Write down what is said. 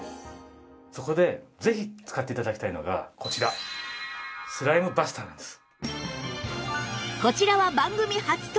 そこでぜひ使って頂きたいのがこちらスライムバスターです。